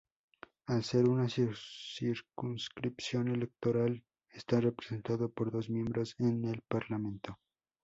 Al ser una circunscripción electoral está representado por dos miembros en el Parlamento.